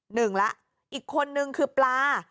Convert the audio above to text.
หนึ่งแล้วอีกคนนึงคือปลา